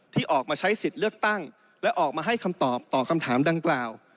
ที่ออกมาใช้สิทธิ์เลือกตั้งและออกมาให้คำตอบต่อคำถามดังกล่าว